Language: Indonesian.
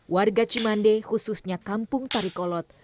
warga cimande khususnya kampung tarikolot